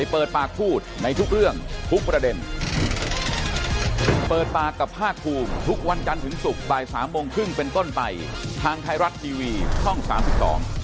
เป็นเรื่องอย่างงั้นครับปกติกระบวนการนี้